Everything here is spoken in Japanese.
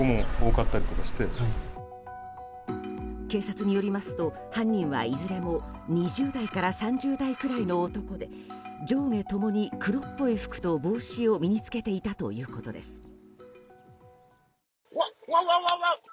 警察によりますと犯人はいずれも２０代から３０代くらいの男で上下ともに黒っぽい服と帽子を身に着けていたということです。